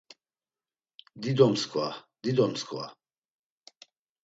Dido mskva, dido mskva.